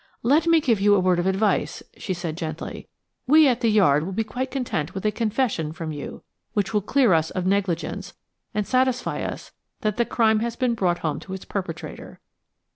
"Let me give you a word of advice," she said gently. "We at the Yard will be quite content with a confession from you, which will clear us of negligence and satisfy us that the crime has been brought home to its perpetrator.